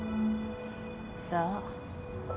さあ。